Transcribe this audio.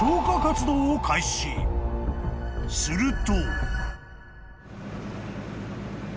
［すると］